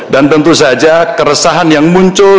dan tentu saja keresahan yang muncul